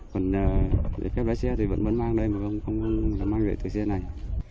còn giấy phép lái xe thì vẫn mang đây mà không mang giấy tờ xe này